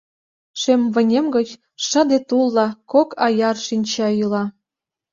Шем вынем гыч шыде тулла Кок аяр шинча йӱла.